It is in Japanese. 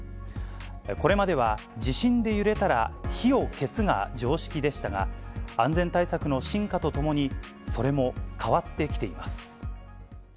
これまでは、地震で揺れたら火を消すが常識でしたが、安全対策の進化とともに、それも変わってきています。